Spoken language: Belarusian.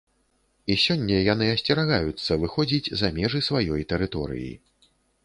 І сёння яны асцерагаюцца выходзіць за межы сваёй тэрыторыі.